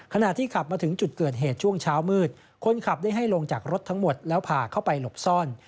ขณะที่ขับมาถึงจุดเกิดเหตุช่วงเช้ามืดคนขับได้ให้ลงจากรถทั้งหมดแล้วพาเข้าไปหลบซ่อน